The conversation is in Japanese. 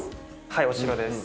はいお城です。